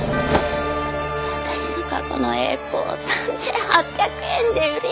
私の過去の栄光を３８００円で売りやがって。